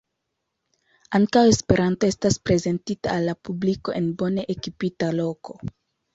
Ankaŭ Esperanto estas prezentita al la publiko en bone ekipita loko.